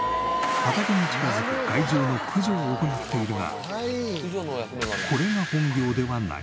畑に近づく害獣の駆除を行っているがこれが本業ではない。